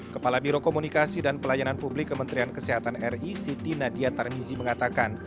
kepala birokomunikasi dan pelayanan publik kementerian kesehatan ri siti nadia tarnizi mengatakan